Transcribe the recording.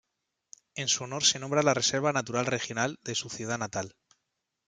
En su honor se nombra la "Reserva Natural Regional", de su ciudad natal.